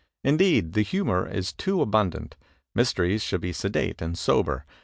Indeed, the himior is too abimdant. Mys teries should be sedate and sober.